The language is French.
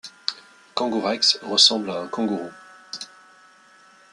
Kangourex ressemble à un kangourou.